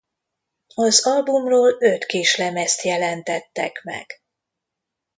Az albumról öt kislemezt jelentettek meg.